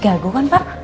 gaguh kan pak